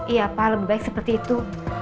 iya pak lebih baik seperti itu